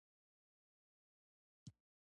د ډیلي سلطنت بنسټ کیښودل شو.